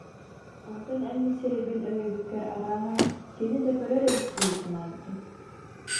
Онтон эн мин сирэйбин өҥөйбүккэр, арааһа, кини да көрөр эбит дии санаабытым